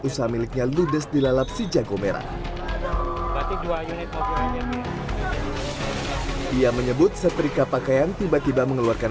usaha miliknya ludes dilalap si jago merah ia menyebut setrika pakaian tiba tiba mengeluarkan